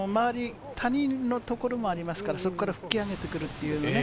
谷のところもありますから、そこから吹き上げてくるっていうね。